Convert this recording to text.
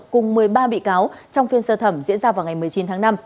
cùng một mươi ba bị cáo trong phiên sơ thẩm diễn ra vào ngày một mươi chín tháng năm